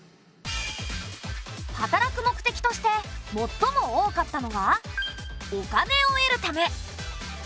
働く目的としてもっとも多かったのがお金を得るため。